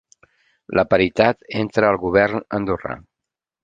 La paritat entra al govern Andorrà